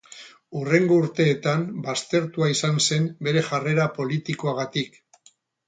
Hurrengo urteetan baztertua izan zen bere jarrera politikoagatik.